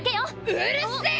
うるせえ！